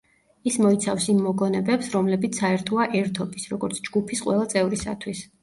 ის მოიცავს იმ მოგონებებს, რომლებიც საერთოა ერთობის, როგორც ჯგუფის, ყველა წევრისათვის.